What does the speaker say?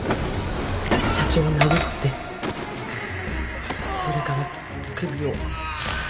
社長を殴ってそれから首を。